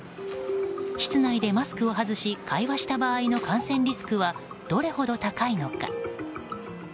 室内でマスクを外し会話した場合の感染リスクはどれほど高いのか。